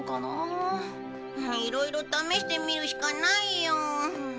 いろいろ試してみるしかないよ。